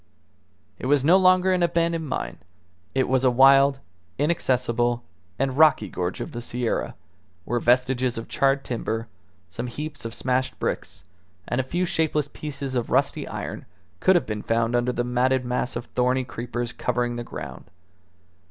It was no longer an abandoned mine; it was a wild, inaccessible, and rocky gorge of the Sierra, where vestiges of charred timber, some heaps of smashed bricks, and a few shapeless pieces of rusty iron could have been found under the matted mass of thorny creepers covering the ground.